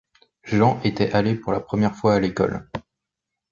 Jean était allé pour la première fois à l’école.